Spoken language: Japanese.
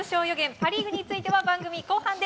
パ・リーグについては番組後半で。